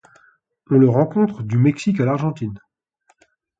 On le rencontre du Mexique à l'Argentine.